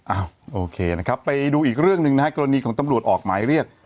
โอเคนะครับไปดูอีกเรื่องหนึ่งนะฮะกรณีของตำรวจออกหมายเรียก